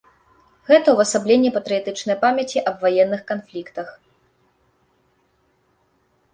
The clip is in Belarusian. Гэта ўвасабленне патрыятычнай памяці аб ваенных канфліктах.